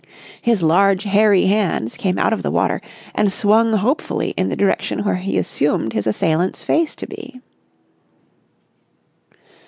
His large, hairy hands came out of the water and swung hopefully in the direction where he assumed his assailant's face to be.